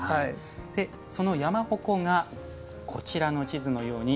その山鉾がこちらの地図のように